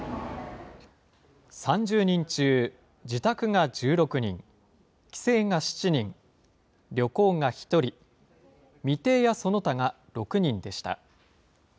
３０人中、自宅が１６日、帰省が７人、旅行が１人、未定やその他が６人でした。